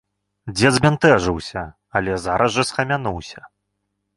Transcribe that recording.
Дзед збянтэжыўся, але зараз жа схамянуўся.